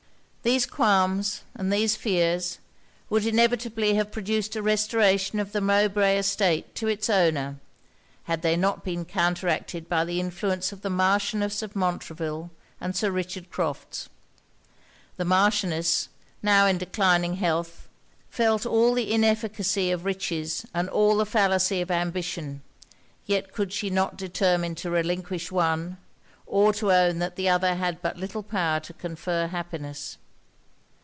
These qualms and these fears, would inevitably have produced a restoration of the Mowbray estate to it's owner, had they not been counteracted by the influence of the Marchioness of Montreville and Sir Richard Crofts. The Marchioness, now in declining health, felt all the inefficacy of riches, and all the fallacy of ambition; yet could she not determine to relinquish one, or to own that the other had but little power to confer happiness.